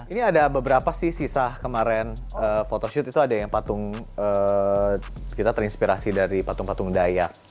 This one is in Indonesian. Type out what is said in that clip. ini ada beberapa sih sisa kemarin photoshoot itu ada yang patung kita terinspirasi dari patung patung dayak